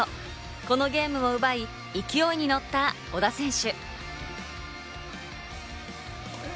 このゲームを奪い、勢いにのった小田選手。